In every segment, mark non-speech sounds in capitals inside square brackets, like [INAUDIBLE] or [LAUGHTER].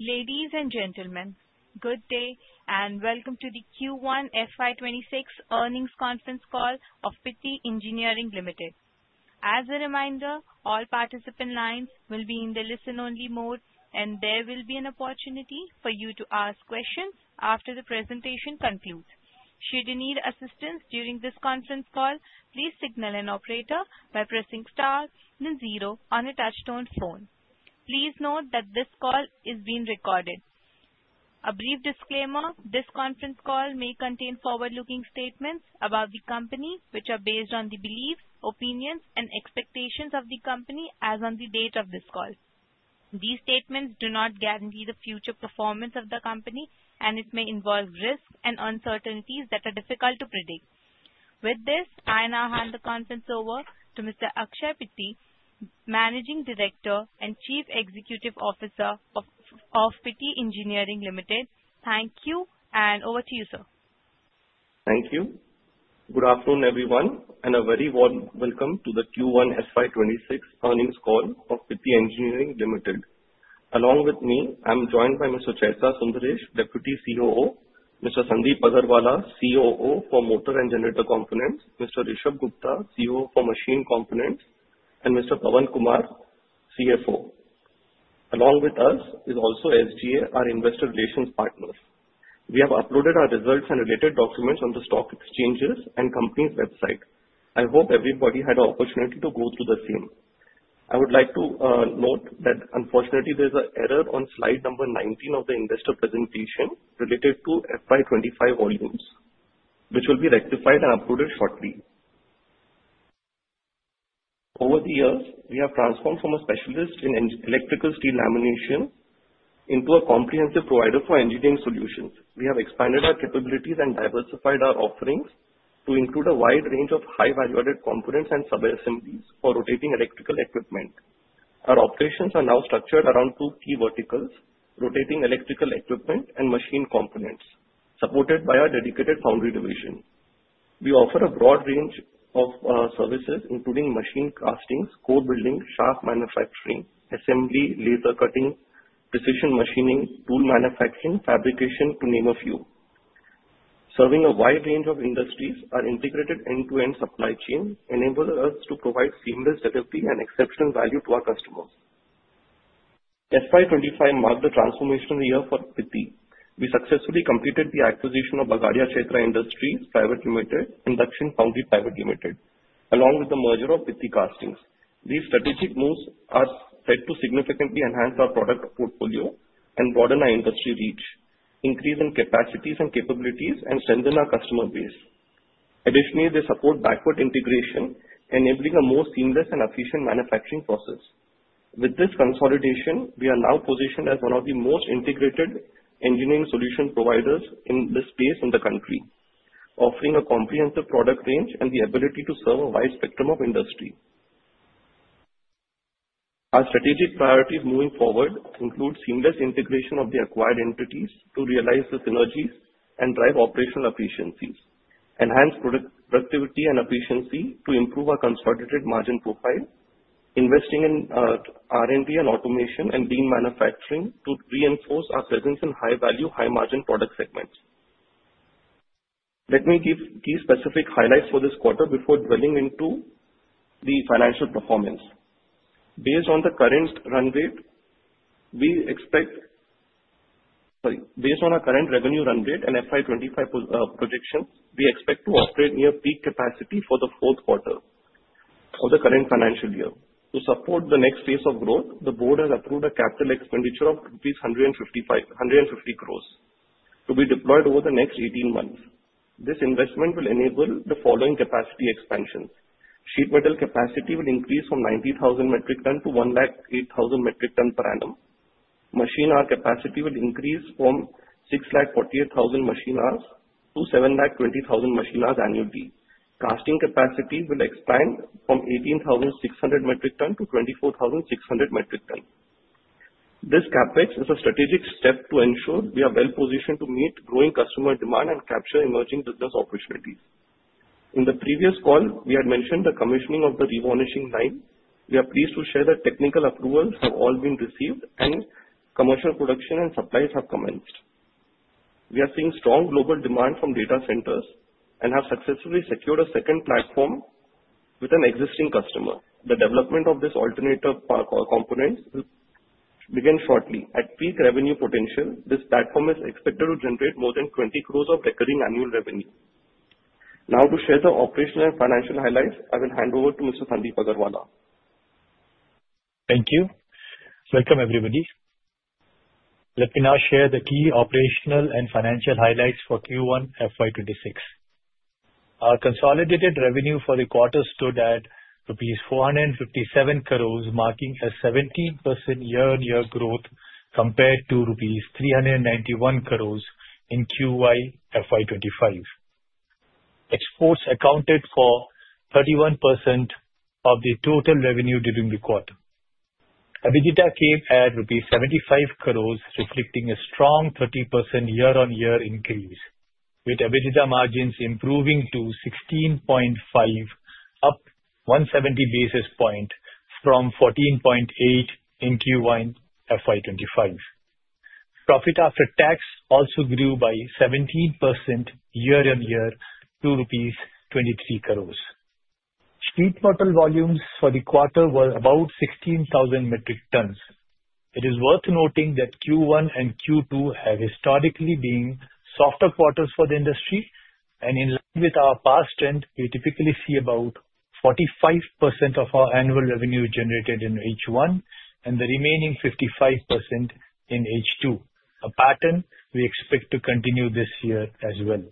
Ladies and gentlemen, good day and welcome to the Q1 FY 2026 earnings conference call of Pitti Engineering Limited. As a reminder, all participant lines will be in the listen-only mode, and there will be an opportunity for you to ask questions after the presentation concludes. Should you need assistance during this conference call, please signal an operator by pressing star and zero on a touch-tone phone. Please note that this call is being recorded. A brief disclaimer this conference call may contain forward-looking statements about the company, which are based on the beliefs, opinions, and expectations of the company as on the date of this call. These statements do not guarantee the future performance of the company, and it may involve risks and uncertainties that are difficult to predict. With this, I now hand the conference over to Mr. Akshay Pitti, Managing Director and Chief Executive Officer of Pitti Engineering Limited. Thank you, and over to you, sir. Thank you. Good afternoon, everyone, and a very warm welcome to the Q1 FY 2026 earnings call of Pitti Engineering Limited. Along with me, I'm joined by Mr. Chaitra Sundaresh, Deputy COO, Mr. Sandip Agarwala, COO for motor and generator components, Mr. Rishab Gupta, COO for machine components, and Mr. Pavan Kumar, CFO. Along with us is also SGA, our investor relations partner. We have uploaded our results and related documents on the stock exchanges and company's website. I hope everybody had an opportunity to go through the same. I would like to note that, unfortunately, there's an error on slide number 19 of the investor presentation related to FY 2025 volumes, which will be rectified and uploaded shortly. Over the years, we have transformed from a specialist in electrical steel lamination into a comprehensive provider for engineering solutions. We have expanded our capabilities and diversified our offerings to include a wide range of high-value-added components and subassemblies for rotating electrical equipment. Our operations are now structured around two key verticals: rotating electrical equipment and machine components, supported by our dedicated foundry division. We offer a broad range of services, including machine casting, core building, shaft manufacturing, assembly, laser cutting, precision machining, tool manufacturing, fabrication, to name a few. Serving a wide range of industries, our integrated end-to-end supply chain enables us to provide seamless delivery and exceptional value to our customers. FY 2025 marked the transformation year for Pitti. We successfully completed the acquisition of Bagadia Chaitra Industries Private Limited and Dakshin Foundry Private Limited, along with the merger of Pitti Castings. These strategic moves are said to significantly enhance our product portfolio and broaden our industry reach, increase in capacities and capabilities, and strengthen our customer base. Additionally, they support backward integration, enabling a more seamless and efficient manufacturing process. With this consolidation, we are now positioned as one of the most integrated engineering solution providers in this space in the country, offering a comprehensive product range and the ability to serve a wide spectrum of industries. Our strategic priorities moving forward include seamless integration of the acquired entities to realize the synergies and drive operational efficiencies, enhance productivity and efficiency to improve our consolidated margin profile, investing in R&D and automation, and lean manufacturing to reinforce our presence in high-value, high-margin product segments. Let me give key specific highlights for this quarter before drilling into the financial performance. Based on the current run rate, we expect, sorry, based on our current revenue run rate and FY 2025 projections, we expect to operate near peak capacity for the fourth quarter of the current financial year. To support the next phase of growth, the board has approved a capital expenditure of rupees 150 crores to be deployed over the next 18 months. This investment will enable the following capacity expansions sheet metal capacity will increase from 90,000 metric tons to 108,000 metric tons per annum, machining capacity will increase from 648,000 machine hours to 720,000 machine hours annually, casting capacity will expand from 18,600 metric tons to 24,600 metric tons. This CapEx is a strategic step to ensure we are well-positioned to meet growing customer demand and capture emerging business opportunities. In the previous call, we had mentioned the commissioning of the revarnishing line. We are pleased to share that technical approvals have all been received and commercial production and supplies have commenced. We are seeing strong global demand from data centers and have successfully secured a second platform with an existing customer. The development of this alternative components will begin shortly. At peak revenue potential, this platform is expected to generate more than 20 crores of recurring annual revenue. Now, to share the operational and financial highlights, I will hand over to Mr. Sandip Agarwala. Thank you. Welcome, everybody. Let me now share the key operational and financial highlights for Q1 FY 2026. Our consolidated revenue for the quarter stood at rupees 457 crores, marking a 17% year-on-year growth compared to rupees 391 crores in Q1 FY 2025. Exports accounted for 31% of the total revenue during the quarter. EBITDA came at INR 75 crores, reflecting a strong 30% year-on-year increase, with EBITDA margins improving to 16.5, up 170 basis points from 14.8 in Q1 FY 2025. Profit after tax also grew by 17% year-on-year to rupees 23 crores. Sheet metal volumes for the quarter were about 16,000 metric tons. It is worth noting that Q1 and Q2 have historically been softer quarters for the industry, and in line with our past trend, we typically see about 45% of our annual revenue generated in H1 and the remaining 55% in H2, a pattern we expect to continue this year as well.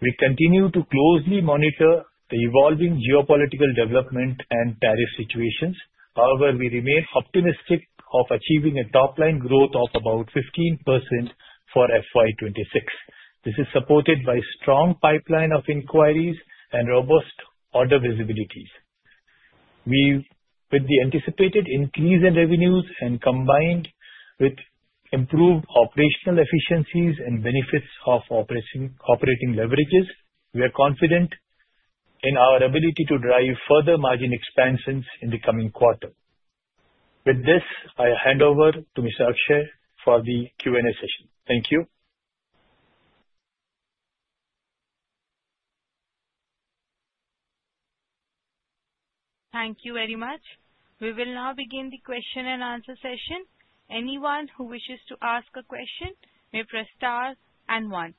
We continue to closely monitor the evolving geopolitical development and tariff situations. However, we remain optimistic of achieving a top-line growth of about 15% for FY 2026. This is supported by a strong pipeline of inquiries and robust order visibilities. With the anticipated increase in revenues and combined with improved operational efficiencies and benefits of operating leverages, we are confident in our ability to drive further margin expansions in the coming quarter. With this, I hand over to Mr. Akshay for the Q&A session. Thank you. Thank you very much. We will now begin the question-and-answer session. Anyone who wishes to ask a question may press star and one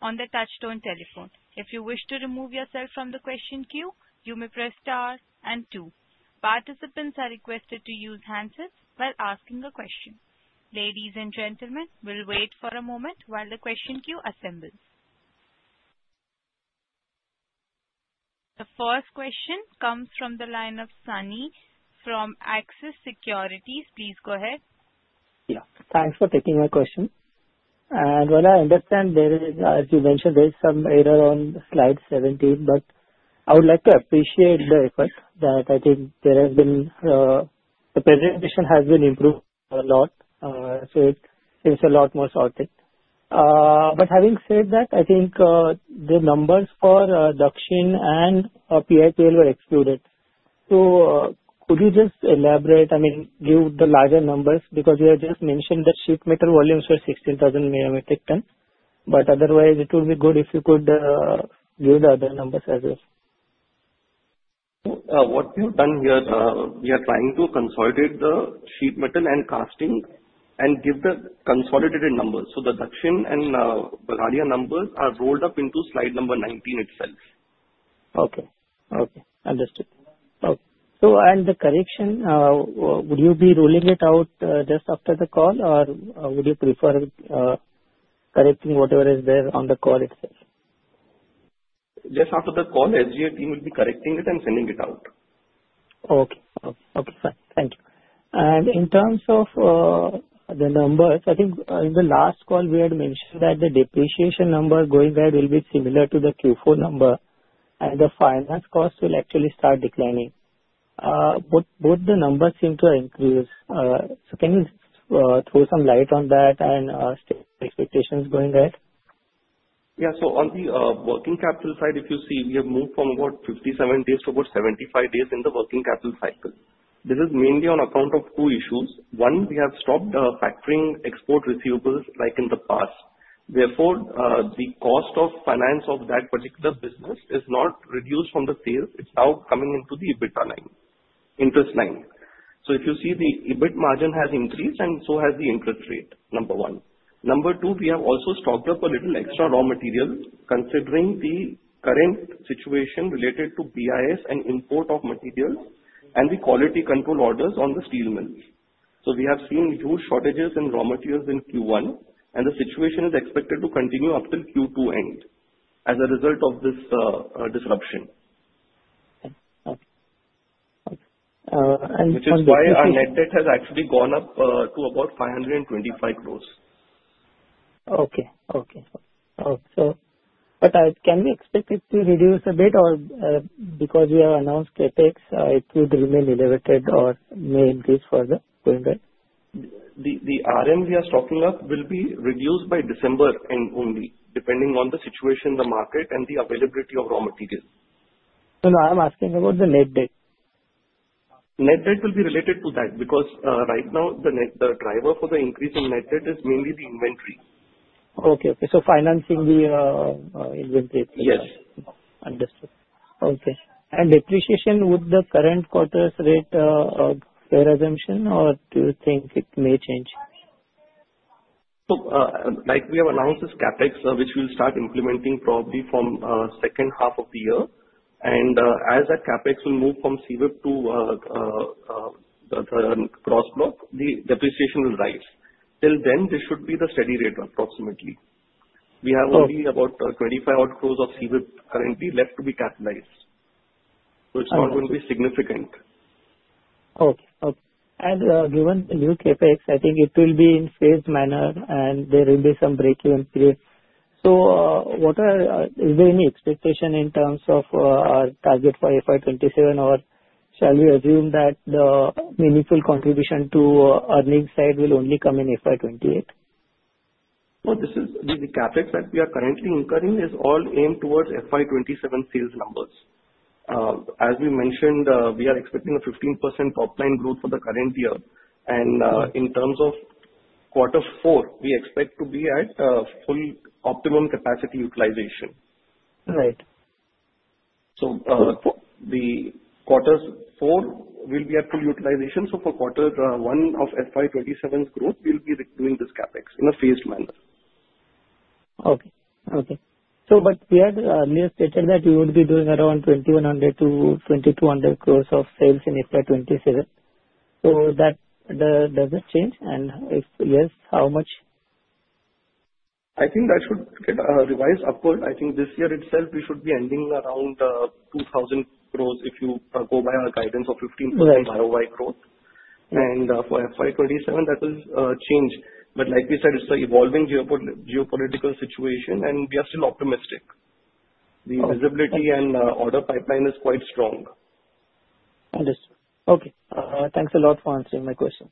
on the touch-tone telephone. If you wish to remove yourself from the question queue, you may press star and two. Participants are requested to use handsets while asking a question. Ladies and gentlemen, we'll wait for a moment while the question queue assembles. The first question comes from the line of Sunny from Axis Securities. Please go ahead. Yeah. Thanks for taking my question. And what I understand, as you mentioned, there is some error on slide 17, but I would like to appreciate the effort that I think there has been, the presentation has been improved a lot, so it seems a lot more sorted. But having said that, I think the numbers for Dakshin and PIPL were excluded. So could you just elaborate, I mean, give the larger numbers? Because you had just mentioned that sheet metal volumes were 16,000 metric tons, but otherwise, it would be good if you could give the other numbers as well. What we have done here, we are trying to consolidate the sheet metal and casting and give the consolidated numbers. So the Dakshin and Bagadia numbers are rolled up into slide number 19 itself. Okay. Understood. And the correction, would you be rolling it out just after the call, or would you prefer correcting whatever is there on the call itself? Just after the call, SGA team will be correcting it and sending it out. Okay. Fine. Thank you. And in terms of the numbers, I think in the last call, we had mentioned that the depreciation number going ahead will be similar to the Q4 number, and the finance costs will actually start declining. But both the numbers seem to have increased. So can you throw some light on that and state the expectations going ahead? Yeah, so on the working capital side, if you see, we have moved from about 57 days to about 75 days in the working capital cycle. This is mainly on account of two issues. One, we have stopped factoring export receivables like in the past. Therefore, the cost of finance of that particular business is not reduced from the sales. It's now coming into the EBITDA line, interest line. So if you see, the EBIT margin has increased, and so has the interest rate, number one. Number two, we have also stocked up a little extra raw material considering the current situation related to BIS and import of materials and the quality control orders on the steel mills. So we have seen huge shortages in raw materials in Q1, and the situation is expected to continue up till Q2 end as a result of this disruption. Okay. Which is why our net debt has actually gone up to about 525 crores. Okay. But can we expect it to reduce a bit? Or because we have announced CapEx, it would remain elevated or may increase further going ahead? The RM we are stocking up will be reduced by December end only, depending on the situation, the market, and the availability of raw materials. No, no. I'm asking about the net debt. Net debt will be related to that because right now, the driver for the increase in net debt is mainly the inventory. Financing the inventory. Yes. Understood. Okay. And depreciation, would the current quarter's rate be a resumption, or do you think it may change? Like we have announced, this CapEx, which we'll start implementing probably from the second half of the year. And as that CapEx will move from CWIP to the gross block, the depreciation will rise. Till then, this should be the steady rate approximately. We have only about 25 crore of CWIP currently left to be capitalized. So it's not going to be significant. Okay. Okay, and given new CapEx, I think it will be in phased manner, and there will be some break-even period. So is there any expectation in terms of our target for FY 2027, or shall we assume that the meaningful contribution to earnings side will only come in FY 2028? The CapEx that we are currently incurring is all aimed towards FY 2027 sales numbers. As we mentioned, we are expecting a 15% top-line growth for the current year. In terms of quarter four, we expect to be at full optimum capacity utilization. Right. So the quarter four will be at full utilization. So for quarter one of FY 2027's growth, we'll be doing this CapEx in a phased manner. But we had earlier stated that we would be doing around 2,100-2,200 crores of sales in FY 2027. So does it change? And if yes, how much? I think that should get revised upward. I think this year itself, we should be ending around 2,000 crores if you go by our guidance of 15% ROI growth. And for FY 2027, that will change. But like we said, it's an evolving geopolitical situation, and we are still optimistic. The visibility and order pipeline is quite strong. Understood. Okay. Thanks a lot for answering my question.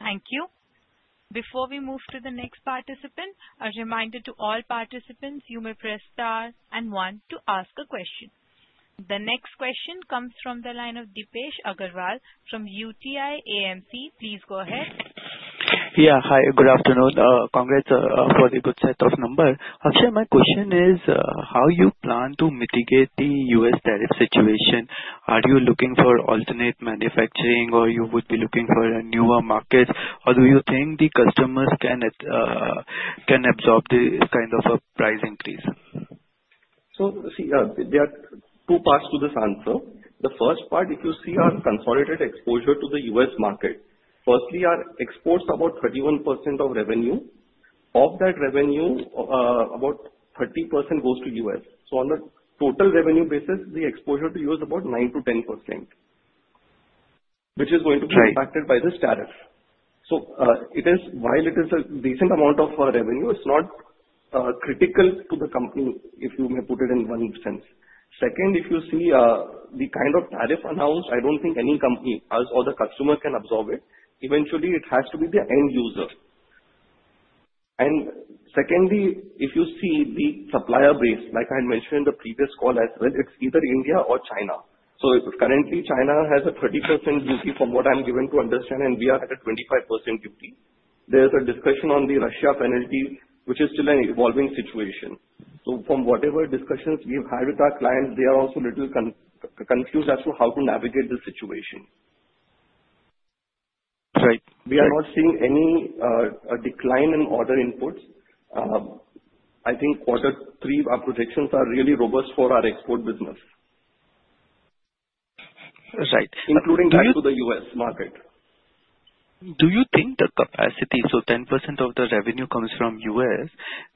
Thank you. Before we move to the next participant, a reminder to all participants, you may press star and one to ask a question. The next question comes from the line of Deepesh Agarwal from UTI AMC. Please go ahead. Yeah. Hi. Good afternoon. Congrats for the good set of numbers. Akshay, my question is, how do you plan to mitigate the U.S. tariff situation? Are you looking for alternate manufacturing, or you would be looking for a newer market? Or do you think the customers can absorb this kind of a price increase? So see, there are two parts to this answer. The first part, if you see our consolidated exposure to the U.S. market, firstly, our exports are about 31% of revenue. Of that revenue, about 30% goes to U.S. So on the total revenue basis, the exposure to U.S. is about 9%-10%, which is going to be impacted by this tariff. So while it is a decent amount of revenue, it's not critical to the company, if you may put it in one sense. Second, if you see the kind of tariff announced, I don't think any company or the customer can absorb it. Eventually, it has to be the end user. And secondly, if you see the supplier base, like I had mentioned in the previous call as well, it's either India or China. So currently, China has a 30% duty from what I'm given to understand, and we are at a 25% duty. There's a discussion on the Russia penalty, which is still an evolving situation. So from whatever discussions we've had with our clients, they are also a little confused as to how to navigate this situation. Right. We are not seeing any decline in order inputs. I think quarter three, our projections are really robust for our export business. Right. Including back to the U.S. market. Do you think the capacity, so 10% of the revenue comes from U.S.,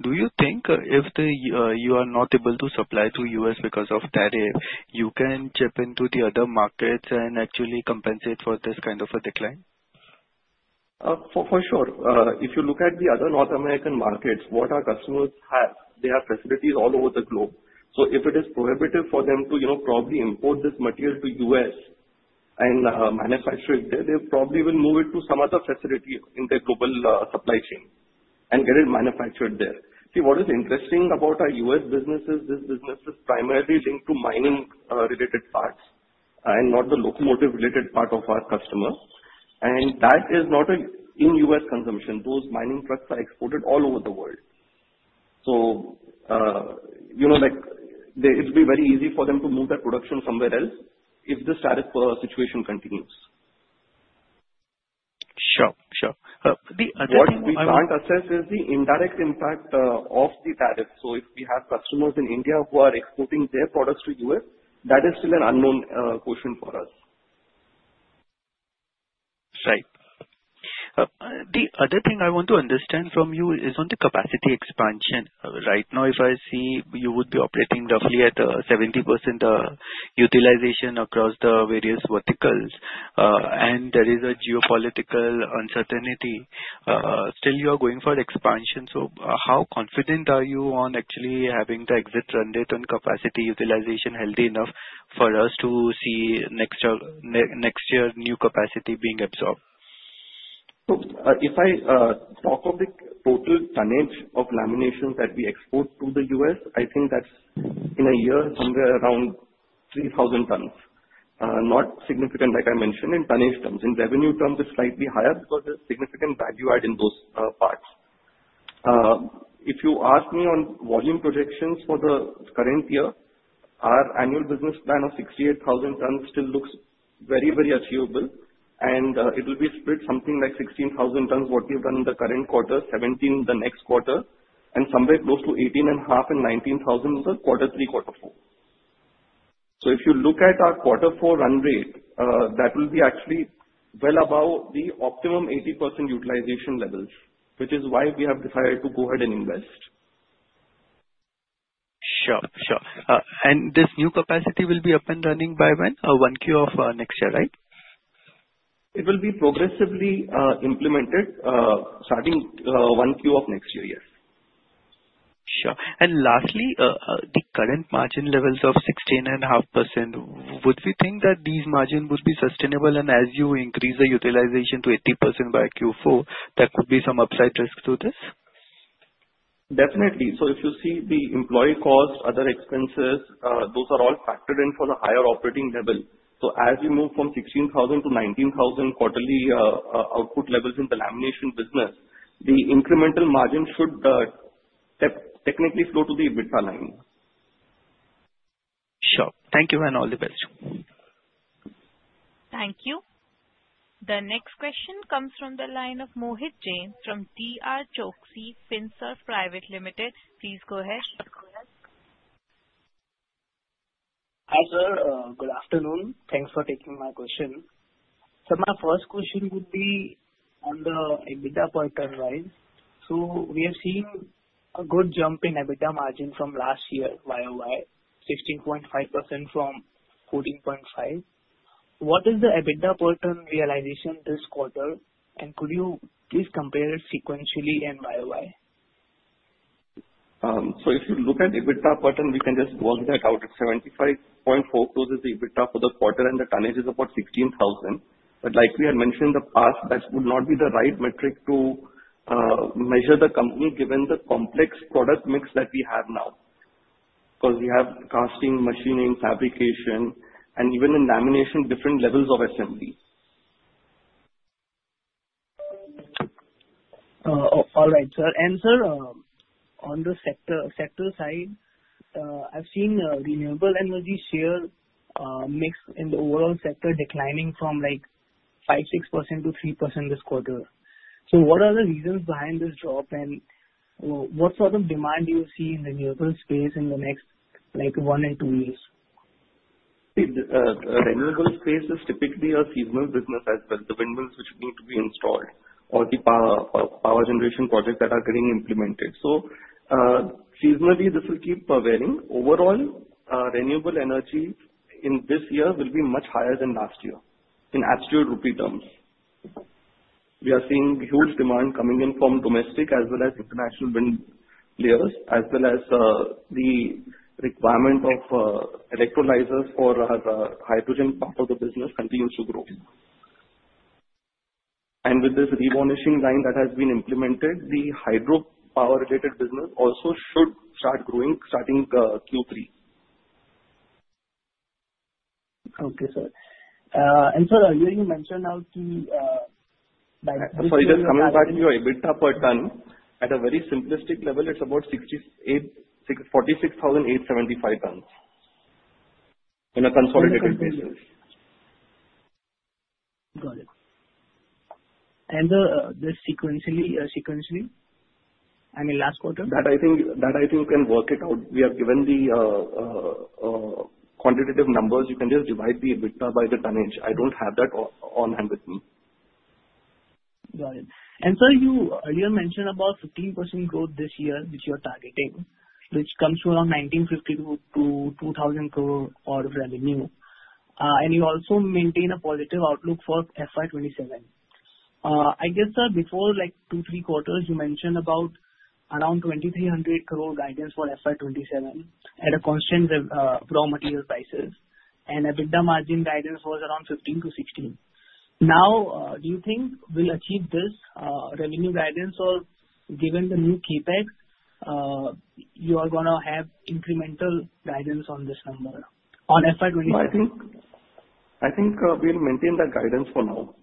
do you think if you are not able to supply to U.S. because of tariff, you can chip into the other markets and actually compensate for this kind of a decline? For sure. If you look at the other North American markets, what our customers have, they have facilities all over the globe. So if it is prohibitive for them to probably import this material to U.S. and manufacture it there, they probably will move it to some other facility in their global supply chain and get it manufactured there. See, what is interesting about our U.S. business is this business is primarily linked to mining-related parts and not the locomotive-related part of our customers, and that is not an in-U.S. consumption. Those mining trucks are exported all over the world. So it will be very easy for them to move their production somewhere else if the tariff situation continues. Sure. Sure. The other thing we want to assess is the indirect impact of the tariff. So if we have customers in India who are exporting their products to U.S., that is still an unknown quotient for us. Right. The other thing I want to understand from you is on the capacity expansion. Right now, if I see you would be operating roughly at 70% utilization across the various verticals, and there is a geopolitical uncertainty, still you are going for expansion. So how confident are you on actually having the exit run-day turn capacity utilization healthy enough for us to see next year new capacity being absorbed? So if I talk of the total tonnage of laminations that we export to the U.S., I think that's in a year somewhere around 3,000 tons. Not significant, like I mentioned, in tonnage terms. In revenue terms, it's slightly higher because there's significant value add in those parts. If you ask me on volume projections for the current year, our annual business plan of 68,000 tons still looks very, very achievable. And it will be split something like 16,000 tons, what we've done in the current quarter, 17,000 the next quarter, and somewhere close to 18,500 and 19,000 in the quarter three, quarter four. So if you look at our quarter four run rate, that will be actually well above the optimum 80% utilization levels, which is why we have decided to go ahead and invest. Sure. Sure. And this new capacity will be up and running by when? 1Q of next year, right? It will be progressively implemented starting Q1 of next year, yes. Sure. And lastly, the current margin levels of 16.5%, would we think that these margins would be sustainable? And as you increase the utilization to 80% by Q4, there could be some upside risk to this? Definitely. So if you see the employee cost, other expenses, those are all factored in for the higher operating level. So as we move from 16,000-19,000 quarterly output levels in the lamination business, the incremental margin should technically flow to the EBITDA line. Sure. Thank you and all the best. Thank you. The next question comes from the line of Mohit Jain from DRChoksey FinServ Private Limited. Please go ahead. Hi, sir. Good afternoon. Thanks for taking my question. So my first question would be on the EBITDA per ton, right? So we have seen a good jump in EBITDA margin from last year, YoY, 16.5% from 14.5%. What is the EBITDA per ton realization this quarter? And could you please compare it sequentially and YoY? So if you look at EBITDA per ton, we can just work that out. It's 75.4 crores, the EBITDA for the quarter, and the tonnage is about 16,000. But like we had mentioned in the past, that would not be the right metric to measure the company given the complex product mix that we have now because we have casting, machining, fabrication, and even in lamination, different levels of assembly. All right, sir. And sir, on the sector side, I've seen renewable energy share mix in the overall sector declining from like 5%-6% to 3% this quarter. So what are the reasons behind this drop? And what sort of demand do you see in renewable space in the next one and two years? Renewable space is typically a seasonal business as well. The windmills which need to be installed or the power generation projects that are getting implemented. Seasonally, this will keep varying. Overall, renewable energy in this year will be much higher than last year in absolute rupee terms. We are seeing huge demand coming in from domestic as well as international players as well as the requirement of electrolysis for the hydrogen part of the business continues to grow. With this revarnishing line that has been implemented, the hydro power-related business also should start growing starting Q3. Okay, sir. And sir, earlier you mentioned how the. So just coming back to your EBITDA per ton, at a very simplistic level, it's about 46,875 tons on a consolidated basis. Got it. And this sequentially, I mean, last quarter? That I think can work it out. We have given the quantitative numbers. You can just divide the EBITDA by the tonnage. I don't have that on hand with me. Got it, and sir, you earlier mentioned about 15% growth this year, which you're targeting, which comes to around 1,950-2,000 crore of revenue. You also maintain a positive outlook for FY 2027. I guess before like two, three quarters, you mentioned about around 2,300 crore guidance for FY 2027 at a constant raw material prices, and EBITDA margin guidance was around 15%-16%. Now, do you think we'll achieve this revenue guidance, or given the new CapEx, you are going to have incremental guidance on this number on FY 2027? I think we'll maintain that guidance for now.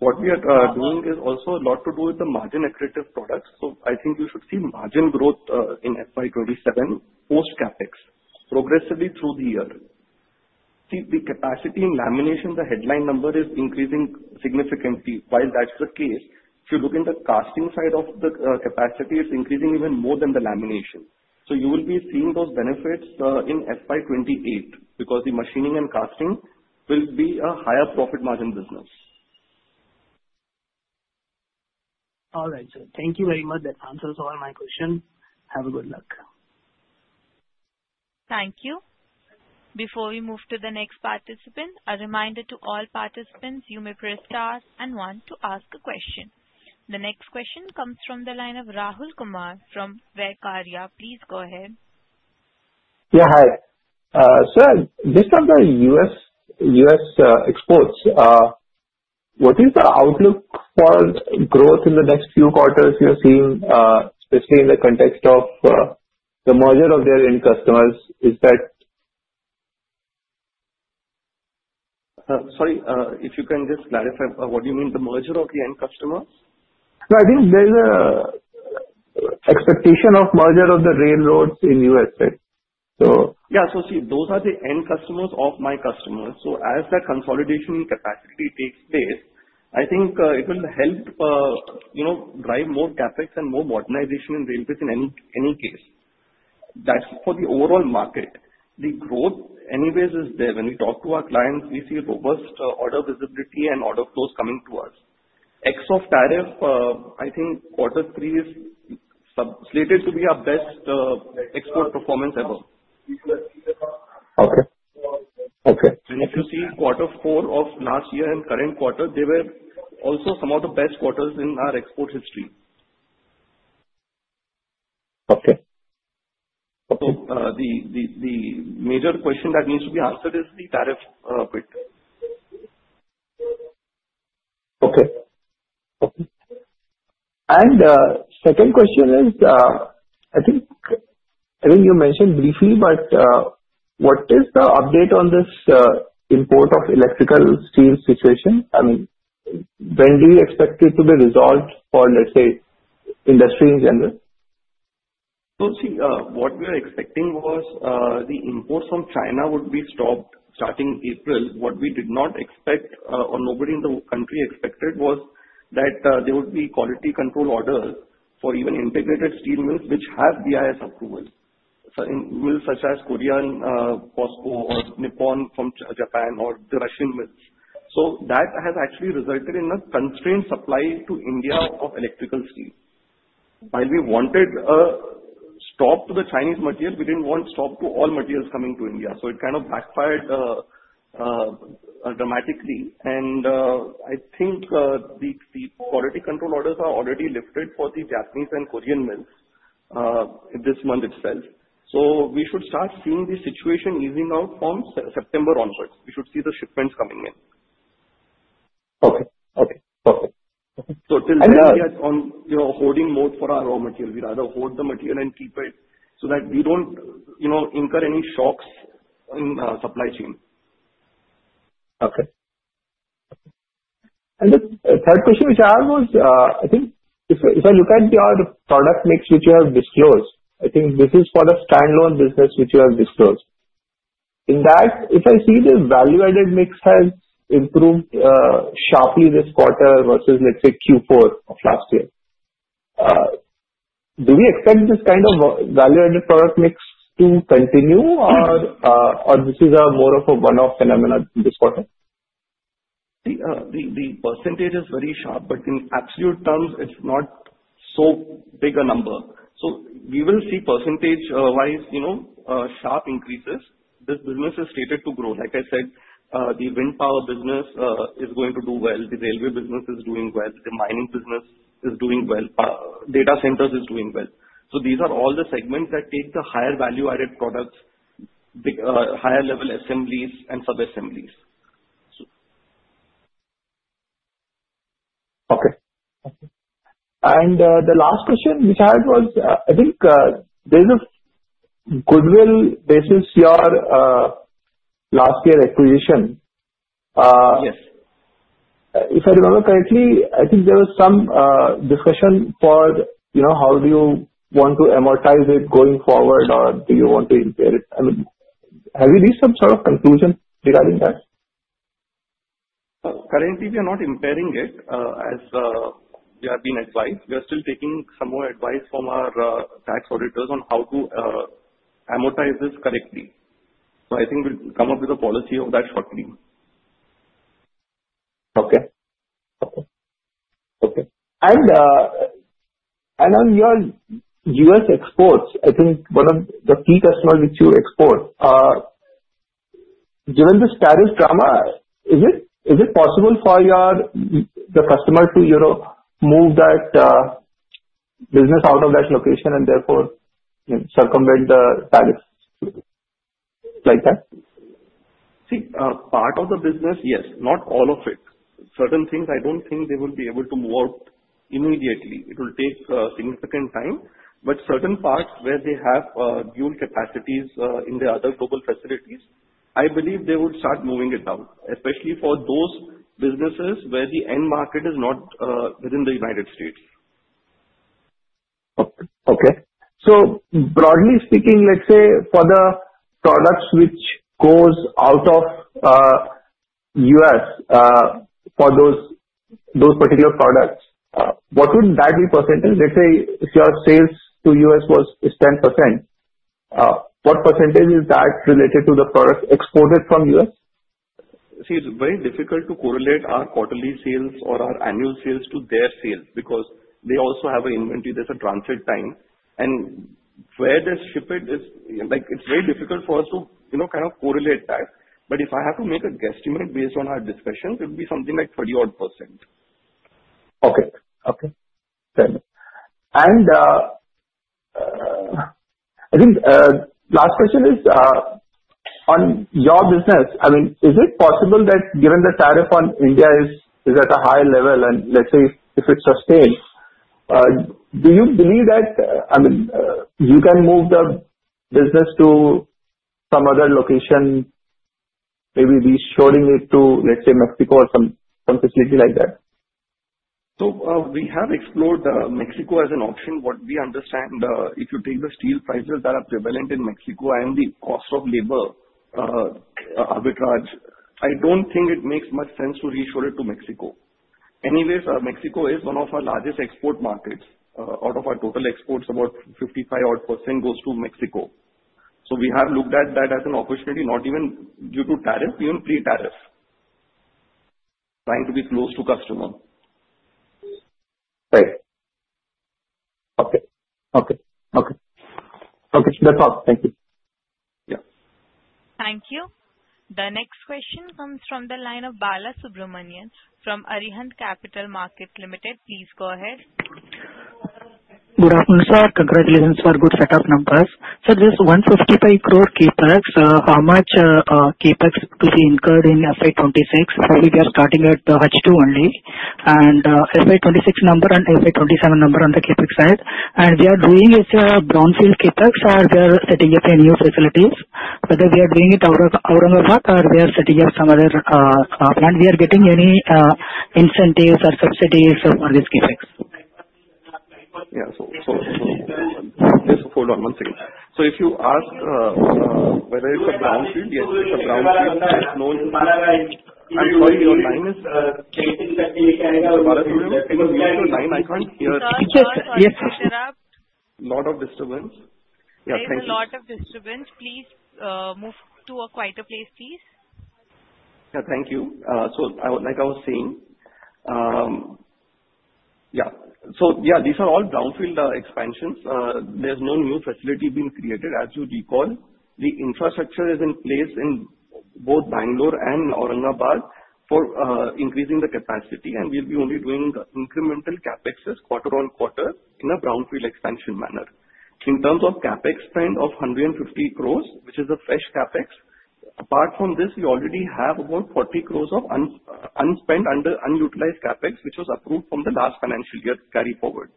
What we are doing is also a lot to do with the margin-accretive products. So I think you should see margin growth in FY 2027 post-CapEx progressively through the year. See, the capacity in lamination, the headline number is increasing significantly. While that's the case, if you look in the casting side of the capacity, it's increasing even more than the lamination. So you will be seeing those benefits in FY 2028 because the machining and casting will be a higher profit margin business. All right, sir. Thank you very much. That answers all my questions. Have a good luck. Thank you. Before we move to the next participant, a reminder to all participants, you may press star and one to ask a question. The next question comes from the line of Rahul Kumar from Vaikarya. Please go ahead. Yeah, hi. Sir, based on the U.S. exports, what is the outlook for growth in the next few quarters you're seeing, especially in the context of the merger of their end customers? Is that? Sorry, if you can just clarify, what do you mean the merger of the end customers? So I think there's an expectation of merger of the railroads in the U.S., right? So yeah, so see, those are the end customers of my customers. So as that consolidation capacity takes place, I think it will help drive more CapEx and more modernization in railroads in any case. That's for the overall market. The growth anyways is there. When we talk to our clients, we see robust order visibility and order flows coming to us. Ex-off tariff, I think quarter three is slated to be our best export performance ever. If you see quarter four of last year and current quarter, they were also some of the best quarters in our export history. The major question that needs to be answered is the tariff bit. Okay. Second question is, I think you mentioned briefly, but what is the update on this import of electrical steel situation? I mean, when do you expect it to be resolved for, let's say, industry in general? See, what we were expecting was the imports from China would be stopped starting April. What we did not expect or nobody in the country expected was that there would be quality control orders for even integrated steel mills which have BIS approval. In mills such as Korea and POSCO or Nippon from Japan or the Russian mills. That has actually resulted in a constrained supply to India of electrical steel. While we wanted a stop to the Chinese material, we didn't want a stop to all materials coming to India. So it kind of backfired dramatically. And I think the quality control orders are already lifted for the Japanese and Korean mills this month itself. So we should start seeing the situation easing out from September onwards. We should see the shipments coming in. Okay. Okay. Perfect. So till then, we are on holding mode for our raw material. We rather hold the material and keep it so that we don't incur any shocks in our supply chain. Okay. And the third question which I asked was, I think if I look at your product mix which you have disclosed, I think this is for the standalone business which you have disclosed. In that, if I see the value-added mix has improved sharply this quarter versus, let's say, Q4 of last year, do we expect this kind of value-added product mix to continue, or this is more of a one-off phenomenon this quarter? The percentage is very sharp, but in absolute terms, it's not so big a number. So we will see percentage-wise sharp increases. This business is slated to grow. Like I said, the wind power business is going to do well. The railway business is doing well. The mining business is doing well. Data centers is doing well. So these are all the segments that take the higher value-added products, higher level assemblies and sub-assemblies. Okay. And the last question which I had was, I think there's a goodwill basis to your last year acquisition. If I remember correctly, I think there was some discussion for how do you want to amortize it going forward, or do you want to impair it? I mean, have you reached some sort of conclusion regarding that? Currently, we are not impairing it as we have been advised. We are still taking some more advice from our tax auditors on how to amortize this correctly. So I think we'll come up with a policy on that shortly. Okay. Okay. Okay. And on your U.S. exports, I think one of the key customers which you export, given this tariff drama, is it possible for the customer to move that business out of that location and therefore circumvent the tariff like that? See, part of the business, yes. Not all of it. Certain things, I don't think they will be able to move out immediately. It will take significant time. But certain parts where they have dual capacities in the other global facilities, I believe they will start moving it down, especially for those businesses where the end market is not within the United States. Okay. So broadly speaking, let's say for the products which go out of the U.S. for those particular products, what would that be percentage? Let's say if your sales to U.S. was 10%, what percentage is that related to the products exported from the U.S.? See, it's very difficult to correlate our quarterly sales or our annual sales to their sales because they also have an inventory. There's a transit time. And where they're shipped, it's very difficult for us to kind of correlate that. But if I have to make a guesstimate based on our discussion, it would be something like 30-odd%. Okay. Okay. Fair enough. I think last question is on your business. I mean, is it possible that given the tariff on India is at a high level, and let's say if it sustains, do you believe that, I mean, you can move the business to some other location, maybe reshoring it to, let's say, Mexico or some facility like that? We have explored Mexico as an option. What we understand, if you take the steel prices that are prevalent in Mexico and the cost of labor arbitrage, I don't think it makes much sense to reshore it to Mexico. Anyways, Mexico is one of our largest export markets. Out of our total exports, about 55-odd% goes to Mexico. We have looked at that as an opportunity, not even due to tariff, even pre-tariff, trying to be close to customer. Right. Okay. Okay. Okay. Okay. That's all. Thank you. Yeah. Thank you. The next question comes from the line of Balasubramanian from Arihant Capital Markets Limited. Please go ahead. Good afternoon, sir. Congratulations for good setup numbers. Sir, this 155 crore CapEx, how much CapEx could be incurred in FY 2026? Probably we are starting at H2 only and FY 2026 number and FY 2027 number on the CapEx side. And we are doing it as a brownfield CapEx, or we are setting up a new facility? Whether we are doing it Aurangabad, or we are setting up some other plant, we are getting any incentives or subsidies for this CapEx? Yeah. So just hold on one second. So if you ask whether it's a brownfield, yes, it's a brownfield. I'm sorry, your line is? [CROSSTALK] Lots of disturbance. Yeah, thank you. There is a lot of disturbance. Please move to a quieter place, please. Yeah, thank you. So, like I was saying, these are all brownfield expansions. There's no new facility being created. As you recall, the infrastructure is in place in both Bangalore and Aurangabad for increasing the capacity, and we'll be only doing incremental CapExes quarter on quarter in a brownfield expansion manner. In terms of CapEx spend of 150 crores, which is a fresh CapEx, apart from this, we already have about 40 crores of unspent, underutilized CapEx, which was approved from the last financial year, carry forward,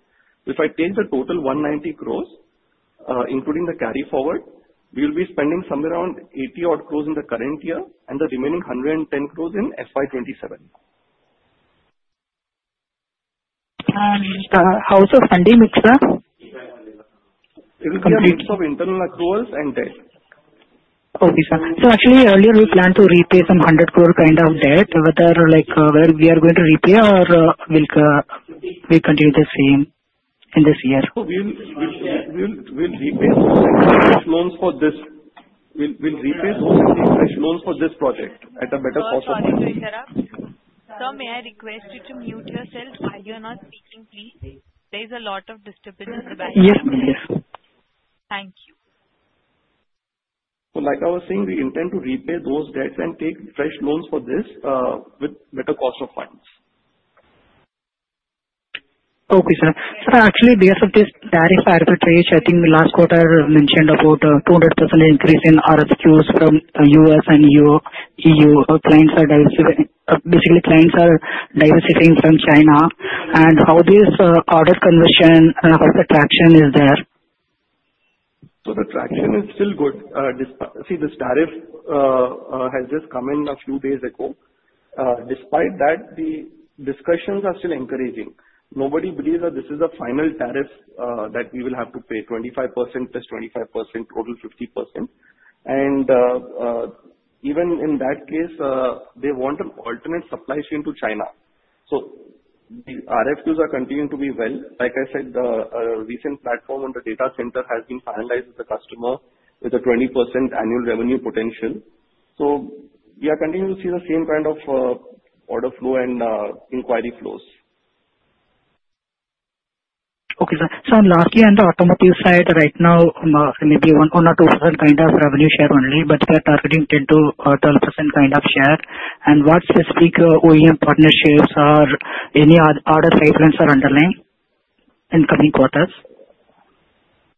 so if I take the total 190 crores, including the carry forward, we'll be spending somewhere around 80-odd crores in the current year and the remaining 110 crores in FY 2027. How is the funding mix? It will be a mix of internal accruals and debt. Okay, sir. So actually, earlier, we planned to repay some 100 crore kind of debt. Whether we are going to repay or will we continue the same in this year? So we'll repay some of the fresh loans for this. We'll repay some of the fresh loans for this project at a better cost of money. Thank you, sir. Sir, may I request you to mute yourself? While you're not speaking, please. There is a lot of disturbance in the background. Yes, sir. Thank you. So like I was saying, we intend to repay those debts and take fresh loans for this with better cost of funds. Okay, sir. Sir, actually, based on this tariff arbitrage, I think last quarter, I mentioned about a 200% increase in RFQs from U.S. and E.U. Clients are basically diversifying from China. And how this order conversion and how the traction is there? So the traction is still good. See, this tariff has just come in a few days ago. Despite that, the discussions are still encouraging. Nobody believes that this is a final tariff that we will have to pay 25% + 25%, total 50%. And even in that case, they want an alternate supply chain to China. So the RFQs are continuing to be well. Like I said, the recent platform on the data center has been finalized with the customer with a 20% annual revenue potential. So we are continuing to see the same kind of order flow and inquiry flows. Okay, sir. So on last year, on the automotive side, right now, maybe 1% or 2% kind of revenue share only, but they're targeting 10%-12% kind of share. And what specific OEM partnerships or any other pipelines are underlying in coming quarters?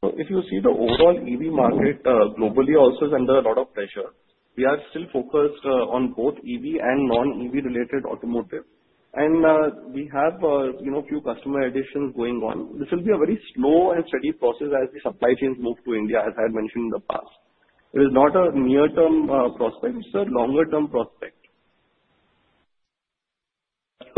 So if you see the overall EV market globally also is under a lot of pressure. We are still focused on both EV and non-EV related automotive. And we have a few customer additions going on. This will be a very slow and steady process as the supply chains move to India, as I had mentioned in the past. It is not a near-term prospect, it's a longer-term prospect.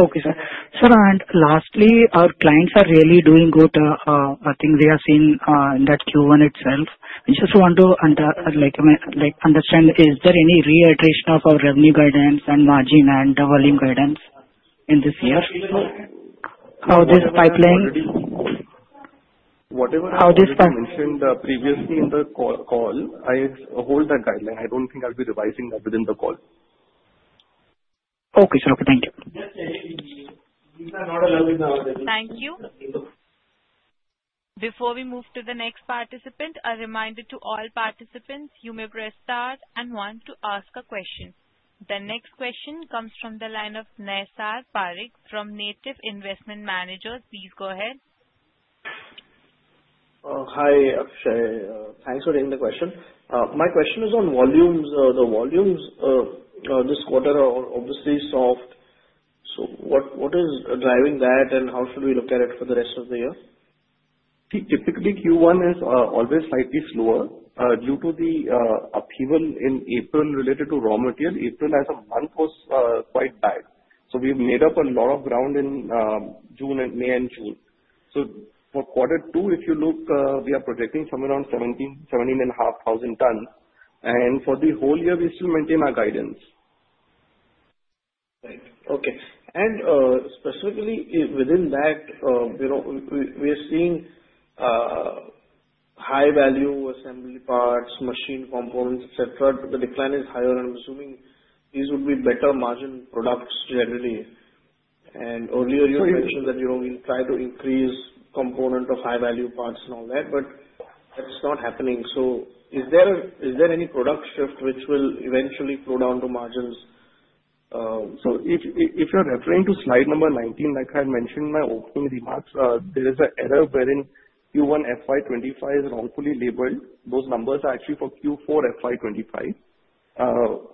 Okay, sir. Sir, and lastly, our clients are really doing good. I think we are seeing in that Q1 itself. I just want to understand, is there any reiteration of our revenue guidance and margin and volume guidance in this year? How this pipeline? Whatever I mentioned previously in the call, I hold that guideline. I don't think I'll be revising that within the call. Okay, sir. Okay. Thank you. Thank you. Before we move to the next participant, a reminder to all participants, you may press star and one to ask a question. The next question comes from the line of Naysar Parikh from Native Investment Managers. Please go ahead. Hi, Akshay. Thanks for taking the question. My question is on volumes. The volumes this quarter are obviously soft. So what is driving that, and how should we look at it for the rest of the year? See, typically, Q1 is always slightly slower due to the upheaval in April related to raw material. April as a month was quite bad, so we've made up a lot of ground in May and June. For quarter two, if you look, we are projecting somewhere around 17,000-17,500 tons, and for the whole year, we still maintain our guidance. Right. Okay. And specifically within that, we are seeing high-value assembly parts, machine components, etc. The decline is higher. I'm assuming these would be better margin products generally. And earlier, you mentioned that we'll try to increase component of high-value parts and all that, but that's not happening. So is there any product shift which will eventually flow down to margins? So if you're referring to slide number 19, like I had mentioned in my opening remarks, there is an error wherein Q1 FY 2025 is wrongfully labeled. Those numbers are actually for Q4 FY 2025.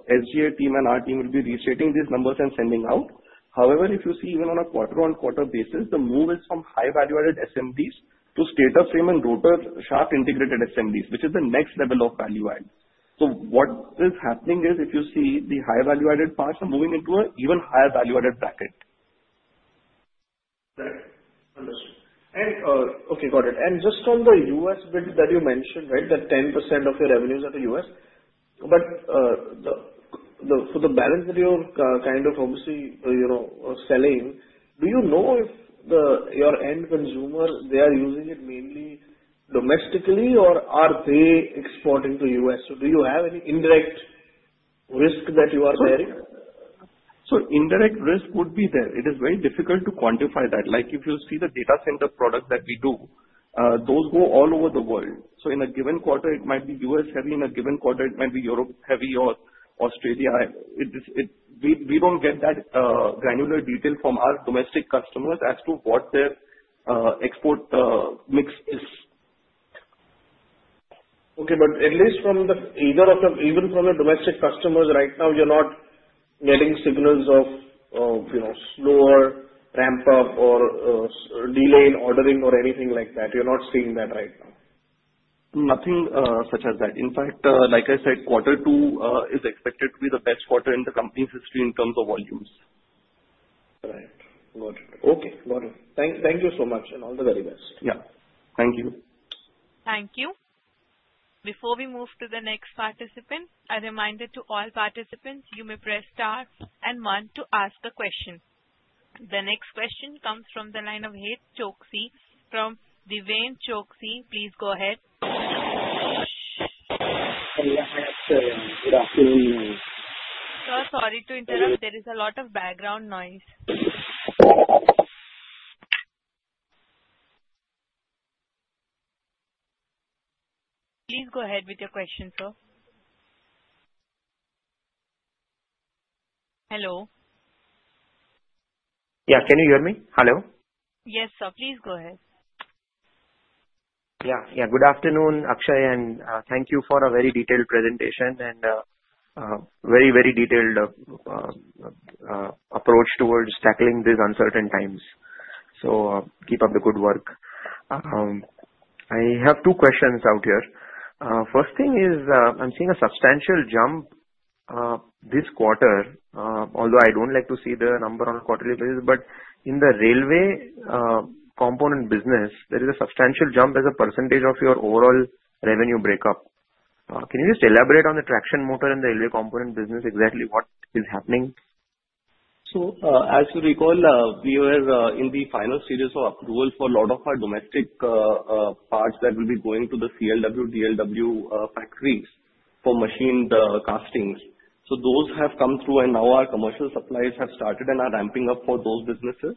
SGA team and our team will be reshaping these numbers and sending out. However, if you see, even on a quarter-on-quarter basis, the move is from high-value-added assemblies to stator frame and rotor shaft integrated assemblies, which is the next level of value-added. So what is happening is, if you see, the high-value-added parts are moving into an even higher value-added bracket. Right. Understood. And okay, got it. And just on the U.S. bit that you mentioned, right, that 10% of your revenues are the U.S., but for the balance that you're kind of obviously selling, do you know if your end consumer, they are using it mainly domestically, or are they exporting to U.S.? So do you have any indirect risk that you are bearing? So indirect risk would be there. It is very difficult to quantify that. Like if you see the data center product that we do, those go all over the world. So in a given quarter, it might be U.S. heavy. In a given quarter, it might be Europe heavy or Australia. We don't get that granular detail from our domestic customers as to what their export mix is. Okay. But at least from either even from the domestic customers, right now, you're not getting signals of slower ramp-up or delay in ordering or anything like that. You're not seeing that right now? Nothing such as that. In fact, like I said, quarter two is expected to be the best quarter in the company's history in terms of volumes. Right. Got it. Okay. Got it. Thank you so much, and all the very best. Yeah. Thank you. Thank you. Before we move to the next participant, a reminder to all participants, you may press star and wait to ask a question. The next question comes from the line of Het Choksey from Deven Choksey, please go ahead. Sir, sorry to interrupt. There is a lot of background noise. Please go ahead with your question, sir. Hello? Yeah. Can you hear me? Hello? Yes, sir. Please go ahead. Yeah. Yeah. Good afternoon, Akshay. And thank you for a very detailed presentation and a very, very detailed approach towards tackling these uncertain times. So keep up the good work. I have two questions out here. First thing is, I'm seeing a substantial jump this quarter, although I don't like to see the number on quarterly basis, but in the railway component business, there is a substantial jump as a percentage of your overall revenue breakup. Can you just elaborate on the traction motor in the railway component business, exactly what is happening? So as you recall, we were in the final series of approval for a lot of our domestic parts that will be going to the CLW, DLW factories for machined castings. So those have come through, and now our commercial suppliers have started and are ramping up for those businesses.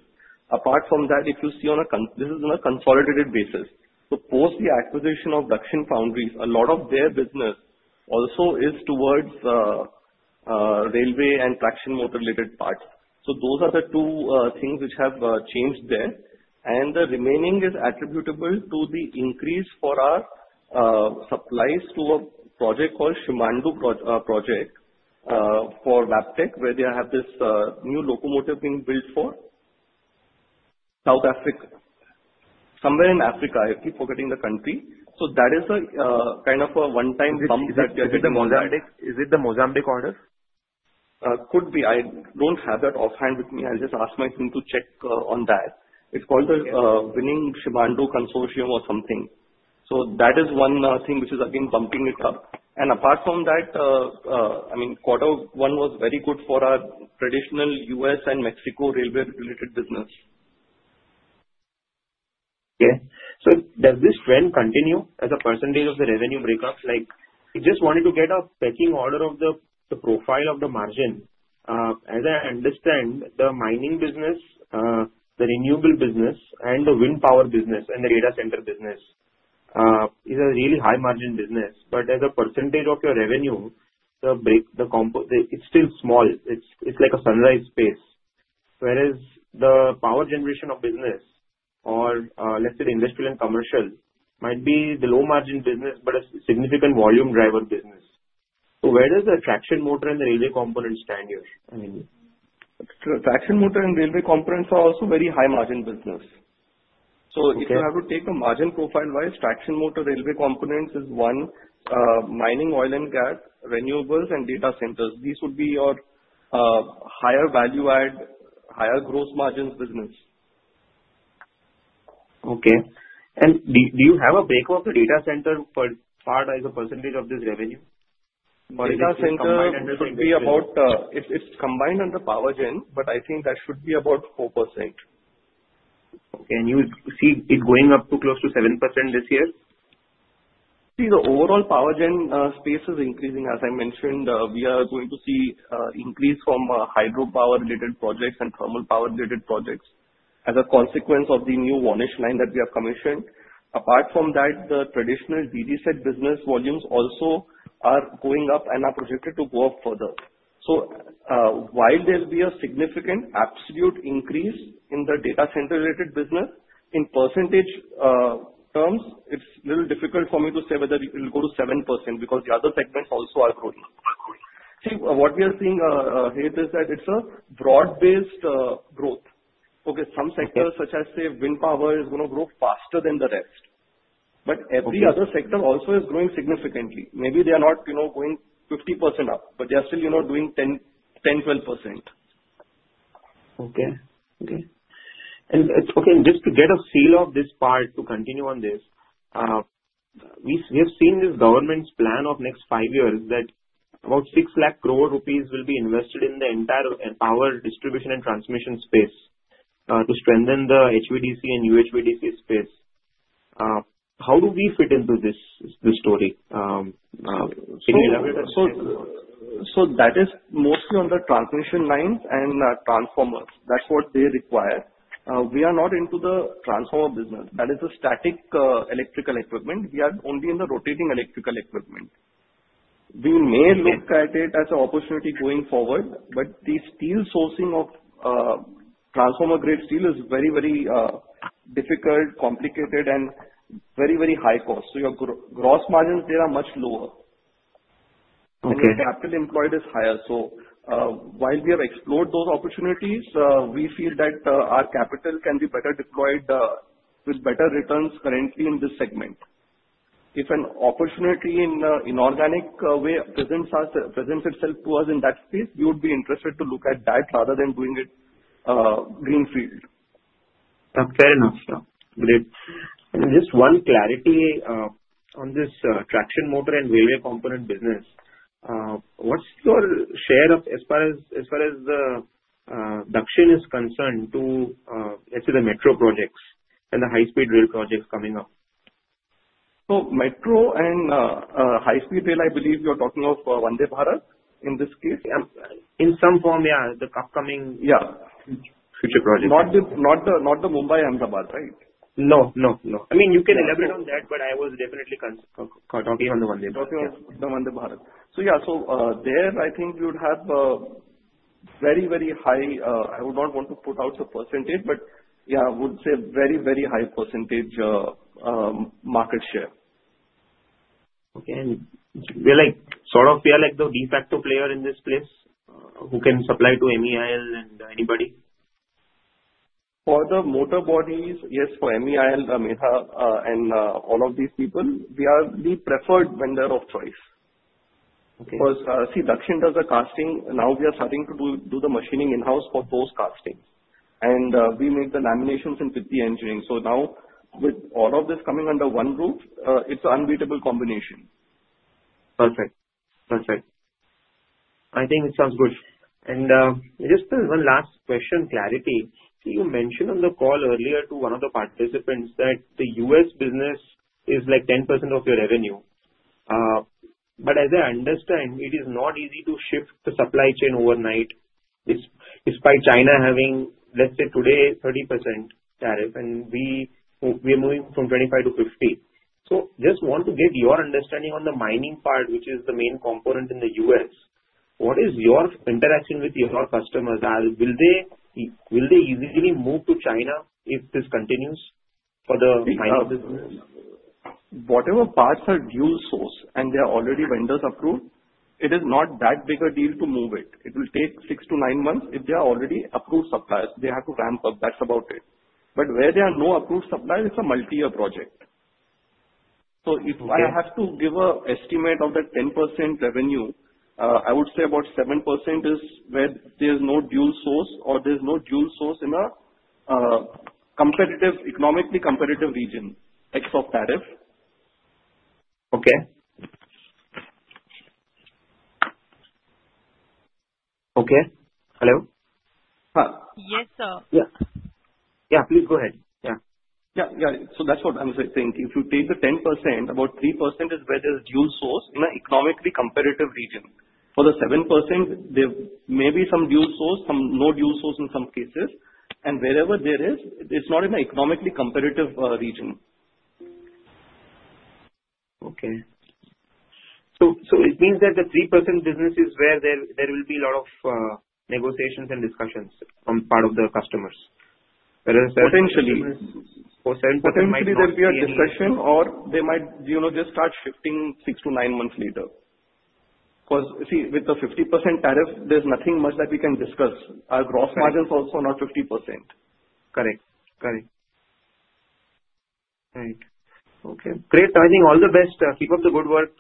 Apart from that, if you see, this is on a consolidated basis. So post the acquisition of Dakshin Foundries, a lot of their business also is towards railway and traction motor-related parts. So those are the two things which have changed there. And the remaining is attributable to the increase for our supplies to a project called Simandou project for Wabtec, where they have this new locomotive being built for South Africa, somewhere in Africa. I keep forgetting the country. So that is a kind of a one-time bump that we are getting on that. Is it the Mozambique order? Could be. I don't have that offhand with me. I'll just ask my team to check on that. It's called the Winning Simandou Consortium or something. So that is one thing which is, again, bumping it up. And apart from that, I mean, quarter one was very good for our traditional U.S. and Mexico railway-related business. Okay. So does this trend continue as a percentage of the revenue breakups? Like I just wanted to get a pecking order of the profile of the margin. As I understand, the mining business, the renewable business, and the wind power business, and the data center business is a really high-margin business. But as a percentage of your revenue, the break, it's still small. It's like a sunrise space. Whereas the power generation of business, or let's say the industrial and commercial, might be the low-margin business, but a significant volume driver business. So where does the traction motor and the railway components stand here? I mean, traction motor and railway components are also very high-margin business. So if you have to take a margin profile-wise, traction motor railway components is one, mining, oil and gas, renewables, and data centers. These would be your higher value-add, higher gross margins business. Okay. And do you have a breakdown of the data center part as a percentage of this revenue? Data center should be about. It's combined under power gen, but I think that should be about 4%. Okay, and you see it going up to close to 7% this year? See, the overall power gen space is increasing. As I mentioned, we are going to see an increase from hydropower-related projects and thermal power-related projects as a consequence of the new revarnishing line that we have commissioned. Apart from that, the traditional DG set business volumes also are going up and are projected to go up further. So while there will be a significant absolute increase in the data center-related business, in percentage terms, it's a little difficult for me to say whether it will go to 7% because the other segments also are growing. See, what we are seeing here is that it's a broad-based growth. Okay. Some sectors, such as, say, wind power, is going to grow faster than the rest. But every other sector also is growing significantly. Maybe they are not going 50% up, but they are still doing 10%-12%. Okay, just to get a feel of this part, to continue on this, we have seen this government's plan of next five years that about 6 lakh crore rupees will be invested in the entire power distribution and transmission space to strengthen the HVDC and UHVDC space. How do we fit into this story? So that is mostly on the transmission lines and transformers. That's what they require. We are not into the transformer business. That is a static electrical equipment. We are only in the rotating electrical equipment. We may look at it as an opportunity going forward, but the steel sourcing of transformer-grade steel is very, very difficult, complicated, and very, very high cost. So your gross margins, they are much lower. And your capital employed is higher. So while we have explored those opportunities, we feel that our capital can be better deployed with better returns currently in this segment. If an opportunity in inorganic way presents itself to us in that space, we would be interested to look at that rather than doing it greenfield. Fair enough. Great. Just one clarity on this traction motor and railway component business. What's your share as far as the domestic is concerned to, let's say, the metro projects and the high-speed rail projects coming up? So metro and high-speed rail, I believe you're talking of Vande Bharat in this case? In some form, yeah. The upcoming future projects. Not the Mumbai-Ahmedabad, right? No. No. No. I mean, you can elaborate on that, but I was definitely talking on the Vande Bharat. So yeah. So there, I think you'd have a very, very high. I would not want to put out the percentage, but yeah, I would say very, very high percentage market share. Okay. And sort of we are like the de facto player in this place who can supply to MEIL and anybody? For the motor bodies, yes, for MEIL, Medha, and all of these people, we are the preferred vendor of choice. Because see, Dakshin does the casting. Now we are starting to do the machining in-house for those castings. And we make the laminations at Pitti Engineering. So now, with all of this coming under one roof, it's an unbeatable combination. Perfect. Perfect. I think it sounds good. And just one last question, clarity. You mentioned on the call earlier to one of the participants that the U.S. business is like 10% of your revenue. But as I understand, it is not easy to shift the supply chain overnight despite China having, let's say, today, 30% tariff, and we are moving from 25%-50%. So just want to get your understanding on the mining part, which is the main component in the U.S. What is your interaction with your customers? Will they easily move to China if this continues for the mining business? Whatever parts are dual source and they are already vendors approved, it is not that big a deal to move it. It will take six to nine months if they are already approved suppliers. They have to ramp up. That's about it. But where there are no approved suppliers, it's a multi-year project. So if I have to give an estimate of the 10% revenue, I would say about 7% is where there is no dual source or there is no dual source in an economically competitive region, except tariff. Okay. Okay. Hello? Huh? Yes, sir. Yeah. Yeah. Please go ahead. Yeah. Yeah. Yeah, so that's what I'm saying. If you take the 10%, about 3% is where there is dual source in an economically competitive region. For the 7%, there may be some dual source, some no dual source in some cases, and wherever there is, it's not in an economically competitive region. Okay. So it means that the 3% business is where there will be a lot of negotiations and discussions on part of the customers. Potentially. Or 7% might not. Potentially, there will be a discussion, or they might just start shifting six to nine months later. Because see, with the 50% tariff, there's nothing much that we can discuss. Our gross margin is also not 50%. Correct. Correct. Right. Okay. Great. I think all the best. Keep up the good work.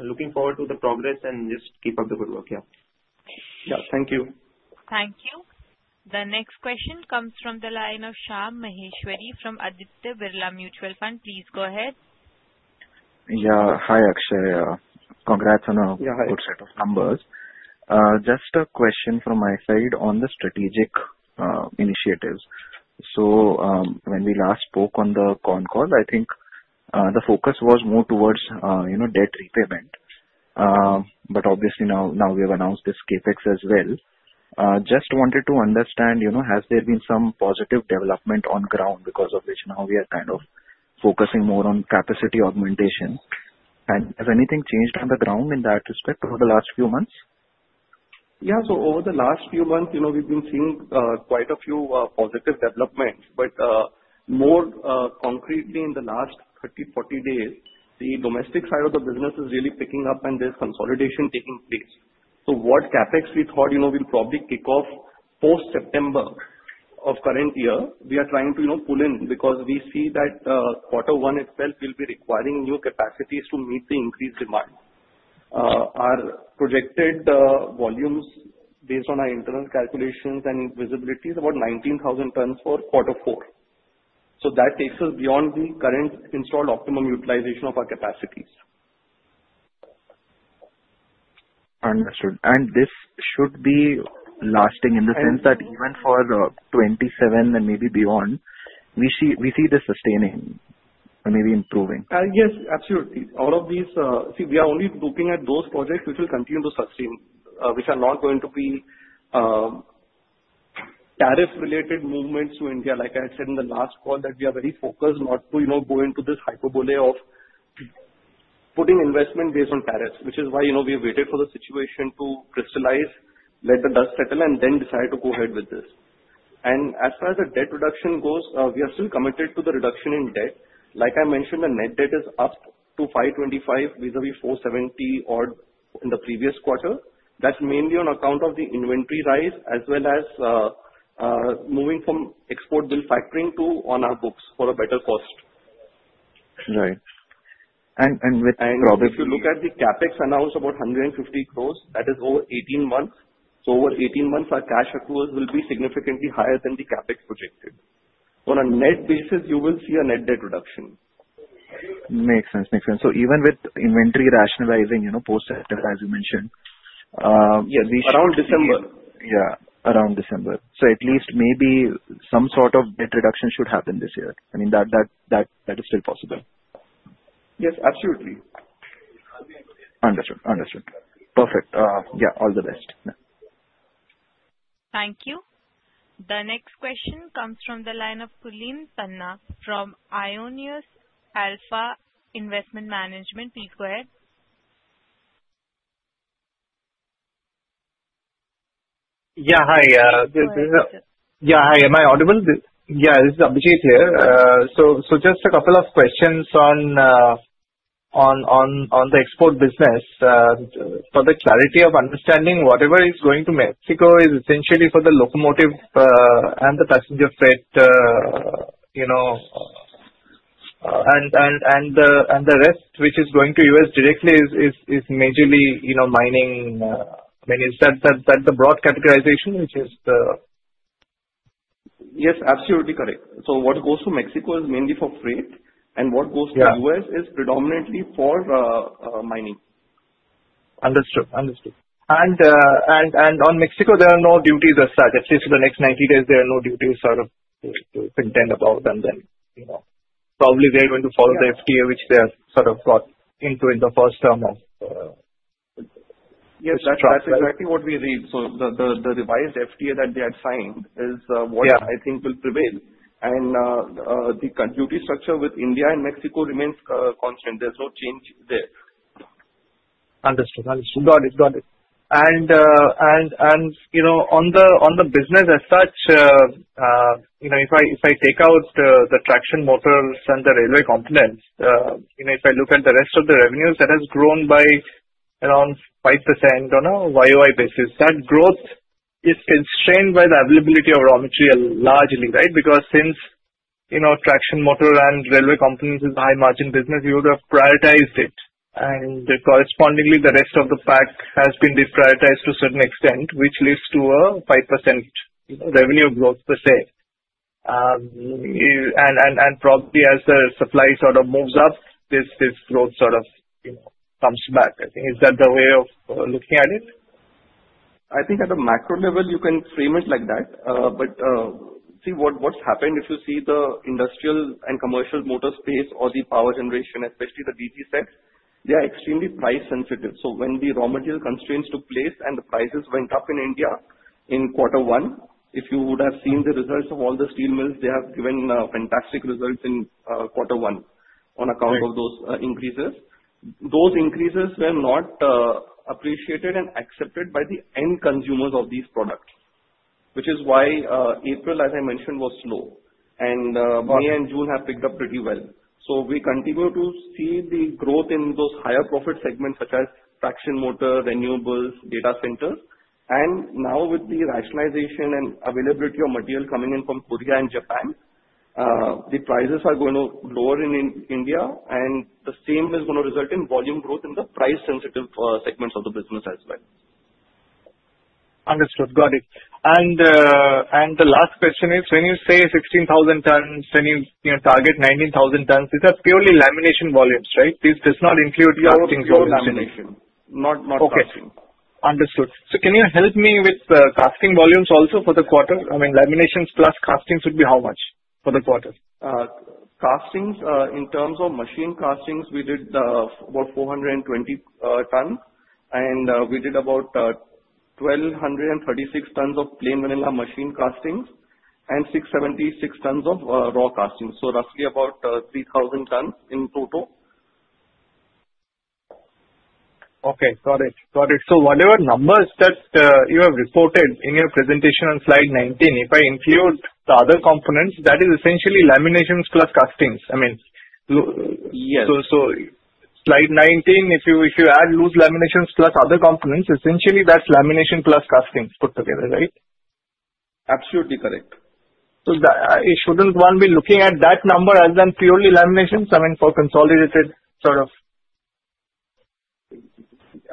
Looking forward to the progress and just keep up the good work. Yeah. Yeah. Thank you. Thank you. The next question comes from the line of Shyam Maheshwari from Aditya Birla Mutual Fund. Please go ahead. Yeah. Hi, Akshay. Congrats on a good set of numbers. Just a question from my side on the strategic initiatives. So when we last spoke on the con call, I think the focus was more towards debt repayment. But obviously, now we have announced this CapEx as well. Just wanted to understand, has there been some positive development on ground because of which now we are kind of focusing more on capacity augmentation? And has anything changed on the ground in that respect over the last few months? Yeah. So over the last few months, we've been seeing quite a few positive developments. But more concretely, in the last 30-40 days, the domestic side of the business is really picking up, and there's consolidation taking place. So what CapEx we thought will probably kick off post-September of current year, we are trying to pull in because we see that quarter one itself will be requiring new capacities to meet the increased demand. Our projected volumes, based on our internal calculations and visibilities, are about 19,000 tons for quarter four. So that takes us beyond the current installed optimum utilization of our capacities. Understood. And this should be lasting in the sense that even for 2027 and maybe beyond, we see this sustaining or maybe improving. Yes, absolutely. All of these see, we are only looking at those projects which will continue to sustain, which are not going to be tariff-related movements to India. Like I said in the last call, that we are very focused not to go into this hyperbole of putting investment based on tariffs, which is why we waited for the situation to crystallize, let the dust settle, and then decide to go ahead with this. And as far as the debt reduction goes, we are still committed to the reduction in debt. Like I mentioned, the net debt is up to 525 vis-à-vis 470 in the previous quarter. That's mainly on account of the inventory rise as well as moving from export bill factoring to on our books for a better cost. Right and with. If you look at the CapEx announced about 150 crore, that is over 18 months. Over 18 months, our cash accruals will be significantly higher than the CapEx projected. On a net basis, you will see a net debt reduction. Makes sense. Makes sense. So even with inventory rationalizing post-September, as you mentioned. Yeah. Around December. Yeah. Around December. So at least maybe some sort of debt reduction should happen this year. I mean, that is still possible. Yes, absolutely. Understood. Understood. Perfect. Yeah. All the best. Thank you. The next question comes from the line of Kuleen Tanna from Aionios Alpha Investment Management. Please go ahead. Yeah. Hi. Yeah. Hi. Am I audible? Yeah. This is Abhijit here. So just a couple of questions on the export business. For the clarity of understanding, whatever is going to Mexico is essentially for the locomotive and the passenger freight. And the rest which is going to U.S. directly is majorly mining. I mean, is that the broad categorization, which is? Yes, absolutely correct. So what goes to Mexico is mainly for freight, and what goes to U.S. is predominantly for mining. Understood. Understood. On Mexico, there are no duties as such. At least for the next 90 days, there are no duties sort of to contend about. Then probably they're going to follow the FTA, which they have sort of got into in the first term of the structure. Yes. That's exactly what we read. So the revised FTA that they had signed is what I think will prevail. And the duty structure with India and Mexico remains constant. There's no change there. Understood. Understood. Got it. Got it. And on the business as such, if I take out the traction motors and the railway components, if I look at the rest of the revenues, that has grown by around 5% on a YoY basis. That growth is constrained by the availability of raw material largely, right? Because since traction motor and railway components is a high-margin business, you would have prioritized it. And correspondingly, the rest of the pack has been deprioritized to a certain extent, which leads to a 5% revenue growth per se. And probably as the supply sort of moves up, this growth sort of comes back. I think is that the way of looking at it? I think at a macro level, you can frame it like that. But see what's happened if you see the industrial and commercial motor space or the power generation, especially the DG sets, they are extremely price-sensitive. So when the raw material constraints took place and the prices went up in India in quarter one, if you would have seen the results of all the steel mills, they have given fantastic results in quarter one on account of those increases. Those increases were not appreciated and accepted by the end consumers of these products, which is why April, as I mentioned, was slow. And May and June have picked up pretty well. So we continue to see the growth in those higher profit segments, such as traction motor, renewables, data centers. Now with the rationalization and availability of material coming in from Korea and Japan, the prices are going to lower in India, and the same is going to result in volume growth in the price-sensitive segments of the business as well. Understood. Got it. And the last question is, when you say 16,000 tons, then you target 19,000 tons, these are purely lamination volumes, right? This does not include casting volumes. No, no. Not casting. Okay. Understood. So can you help me with the casting volumes also for the quarter? I mean, laminations plus castings would be how much for the quarter? Castings, in terms of machine castings, we did about 420 tons. And we did about 1,236 tons of plain vanilla machine castings and 676 tons of raw castings. So roughly about 3,000 tons in total. Okay. Got it. Got it. So whatever numbers that you have reported in your presentation on slide 19, if I include the other components, that is essentially laminations plus castings. I mean. Yes. So, slide 19, if you add loose laminations plus other components, essentially that's lamination plus castings put together, right? Absolutely correct. So, shouldn't one be looking at that number as then purely laminations? I mean, for consolidated sort of?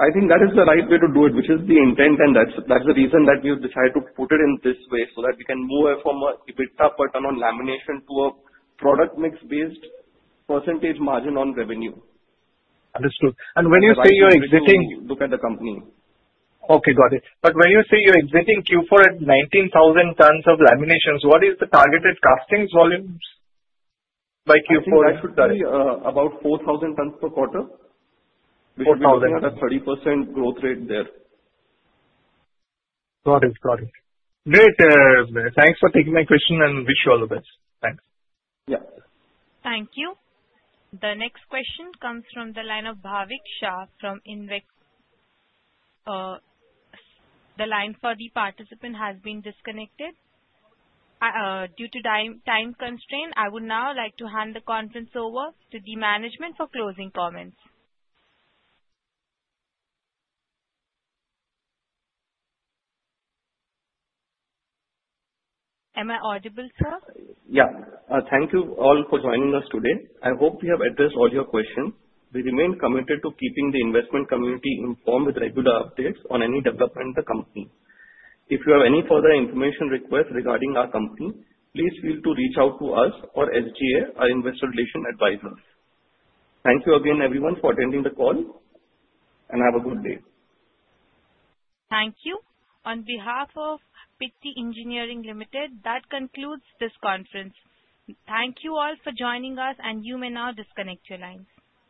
I think that is the right way to do it, which is the intent. And that's the reason that we have decided to put it in this way so that we can move from a bit upturn on lamination to a product mix-based percentage margin on revenue. Understood. And when you say you're exiting. Look at the company. Okay. Got it. But when you say you're exiting Q4 at 19,000 tons of laminations, what is the targeted castings volumes by Q4? I should say about 4,000 tons per quarter, which is another 30% growth rate there. Got it. Got it. Great. Thanks for taking my question and wish you all the best. Thanks. Yeah. Thank you. The next question comes from the line of Bhavik Shah from Invexa. The line for the participant has been disconnected. Due to time constraint, I would now like to hand the conference over to the management for closing comments. Am I audible, sir? Yeah. Thank you all for joining us today. I hope we have addressed all your questions. We remain committed to keeping the investment community informed with regular updates on any development in the company. If you have any further information requests regarding our company, please feel free to reach out to us or SGA, our investor relation advisors. Thank you again, everyone, for attending the call, and have a good day. Thank you. On behalf of Pitti Engineering Limited, that concludes this conference. Thank you all for joining us, and you may now disconnect your lines.